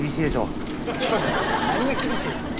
何が厳しいのよ？